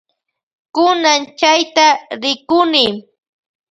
Kunan chayta rikuni.